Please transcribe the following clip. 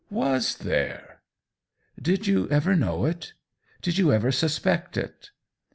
" IVas there ?"" Did you ever know it ? Did you ever suspect it?"